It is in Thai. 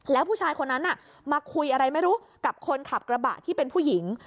แล้วผู้ชายคนนั้นมาคุยอะไรไม่รู้กับคนขับกระบะที่เป็นผู้หญิง